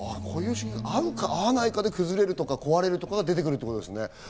合うか合わないかで、崩れるとか壊れることが出てくるということですね。